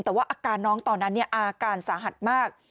แต่ว่าอาการน้องตอนนั้นอาการสาหัสมาก